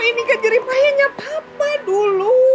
ini kan jerip ayahnya papa dulu